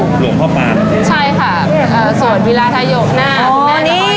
หลวงพ่อปานใช่ค่ะเอ่อสวดวิราธยกหน้าอ๋อนี่